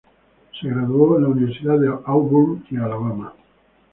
Se graduó en las universidades de Auburn y Alabama.